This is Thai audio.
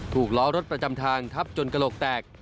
ล้อรถประจำทางทับจนกระโหลกแตก